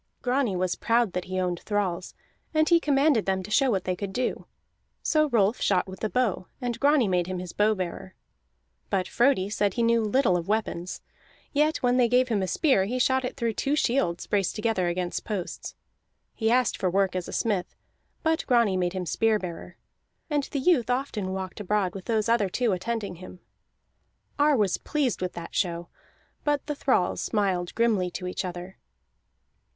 Grani was proud that he owned thralls, and he commanded them to show what they could do. So Rolf shot with the bow, and Grani made him his bow bearer. But Frodi said he knew little of weapons; yet when they gave him a spear he shot it through two shields braced together against posts. He asked for work as a smith, but Grani made him spear bearer. And the youth often walked abroad with those other two attending him. Ar was pleased with that show, but the thralls smiled grimly to each other.